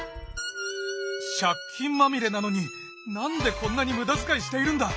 借金まみれなのに何でこんなに無駄遣いしているんだ。